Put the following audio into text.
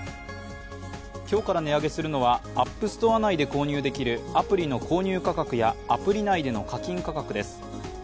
今日から値上げするのは、ＡｐｐＳｔｏｒｅ内で購入できるアプリの購入価格やアプリ内での課金価格です。